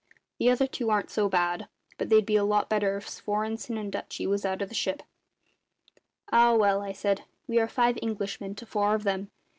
The other two aren't so bad; but they'd be a lot better if Svorenssen and Dutchy was out of the ship." "Ah, well," I said, "we are five Englishmen to four of them.